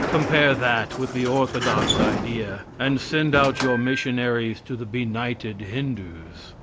Compare that with the orthodox idea, and send out your missionaries to the benighted Hindoos.